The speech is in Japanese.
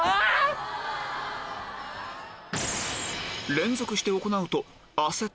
連続して行うとプッ！